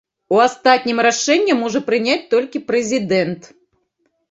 У астатнім рашэнне можа прыняць толькі прэзідэнт.